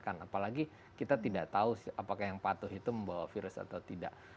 apalagi kita tidak tahu apakah yang patuh itu membawa virus atau tidak